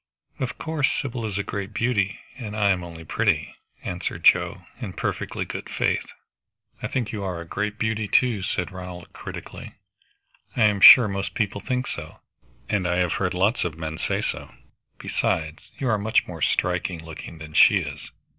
"Of course. Sybil is a great beauty, and I am only pretty," answered Joe in perfectly good faith. "I think you are a great beauty too," said Ronald critically. "I am sure most people think so, and I have heard lots of men say so. Besides, you are much more striking looking than she is."